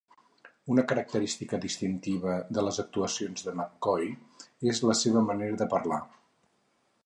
Una característica distintiva de les actuacions de McCoy és la seva manera de parlar.